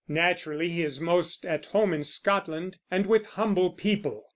Naturally he is most at home in Scotland, and with humble people.